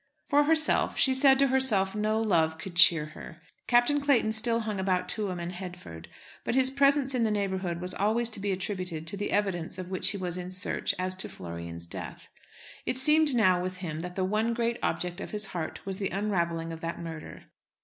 For herself, she said to herself no love could cheer her. Captain Clayton still hung about Tuam and Headford, but his presence in the neighbourhood was always to be attributed to the evidence of which he was in search as to Florian's death. It seemed now with him that the one great object of his heart was the unravelling of that murder.